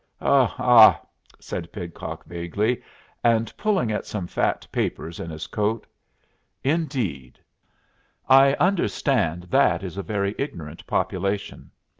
"Oh ah!" said Pidcock, vaguely, and pulling at some fat papers in his coat; "indeed. I understand that is a very ignorant population.